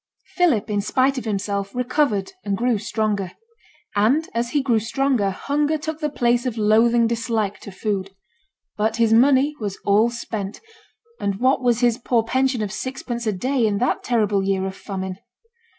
Philip, in spite of himself, recovered and grew stronger; and as he grew stronger hunger took the place of loathing dislike to food. But his money was all spent; and what was his poor pension of sixpence a day in that terrible year of famine?